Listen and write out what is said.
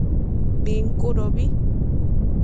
Bincudobi